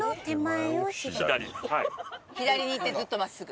左に行ってずっと真っすぐ？